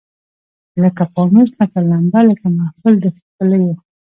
لکه پانوس لکه لمبه لکه محفل د ښکلیو